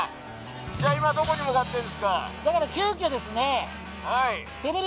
じゃあ今どこに向かってるんですか？